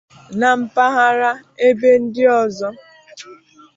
na mpaghara ebe ndị ọzọ.